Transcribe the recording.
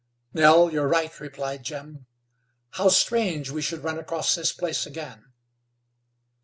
"Nell, you're right," replied Jim. "How strange we should run across this place again."